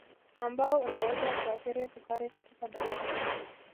Ambao unaweza kuathiri sukari katika damu